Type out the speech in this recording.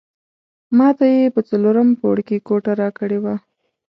ماته یې په څلورم پوړ کې کوټه راکړې وه.